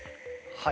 はい。